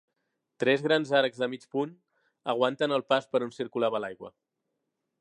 Tres grans arcs de mig punt aguanten el pas per on circulava l'aigua.